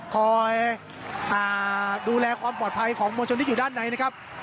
คอยดูแลความปลอดภัยของมวลชนที่อยู่ด้านในนะครับ